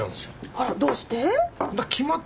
あらどうして？